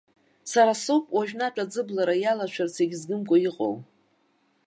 Са соуп уажәнатә аӡыблара иалашәарц егьзгымкәа иҟоу.